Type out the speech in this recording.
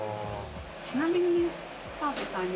ちなみに。